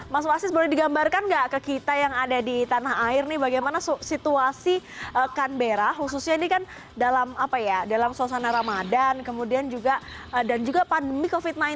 mas wasis boleh digambarkan nggak ke kita yang ada di tanah air nih bagaimana situasi kanbera khususnya ini kan dalam apa ya dalam suasana ramadan dan juga pandemi covid sembilan belas